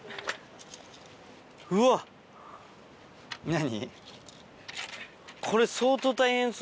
何？